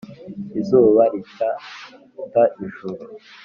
izuba ricyata ijuru